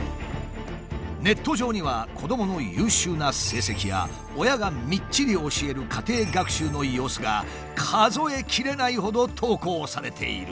ネット上には子どもの優秀な成績や親がみっちり教える家庭学習の様子が数えきれないほど投稿されている。